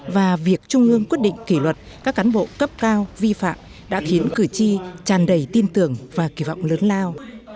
và việc trung ương quyết định kỷ luật các cán bộ cấp cao vi phạm đã khiến cử tri tràn đầy tin tưởng và kỳ vọng lớn lao